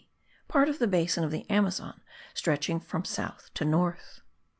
PART OF THE BASIN OF THE AMAZON STRETCHING FROM SOUTH TO NORTH.